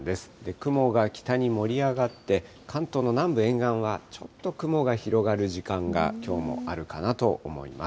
雲が北に盛り上がって、関東の南部沿岸は、ちょっと雲が広がる時間がきょうもあるかなと思います。